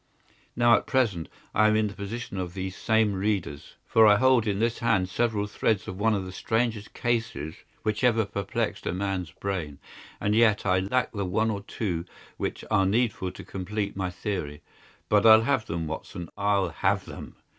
Now, at present I am in the position of these same readers, for I hold in this hand several threads of one of the strangest cases which ever perplexed a man's brain, and yet I lack the one or two which are needful to complete my theory. But I'll have them, Watson, I'll have them!"